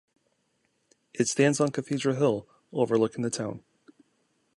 It stands on Cathedral Hill overlooking the town.